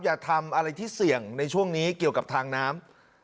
อย่าทำอะไรที่เสี่ยงในช่วงนี้เกี่ยวกับทางน้ำ